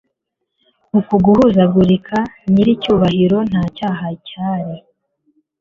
Uku guhuzagurika Nyiricyubahiro nta cyaha cyari